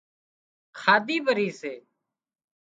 کاڌي پري سي